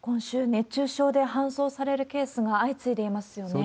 熱中症で搬送されるケースが相次いでいますよね。